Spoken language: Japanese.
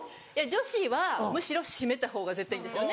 女子はむしろ締めた方が絶対いいんですよね。